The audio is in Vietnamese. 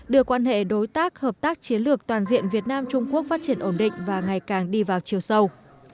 đưa quan hệ đối tác hợp tác chiến lược toàn diện việt nam trung quốc phát triển ổn định và ngày càng đi vào chiều sâu